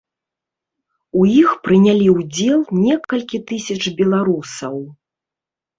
У іх прынялі ўдзел некалькі тысяч беларусаў.